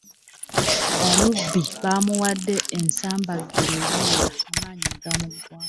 Omubbi baamuwadde ensambaggere eziwera amaanyi ne gamuggwamu.